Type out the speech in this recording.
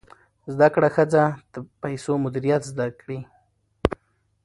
زده کړه ښځه د پیسو مدیریت زده کړی.